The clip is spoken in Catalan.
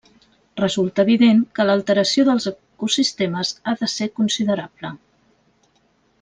Resulta evident que l'alteració dels ecosistemes ha de ser considerable.